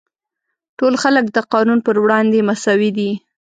ټول خلک د قانون پر وړاندې مساوي دي.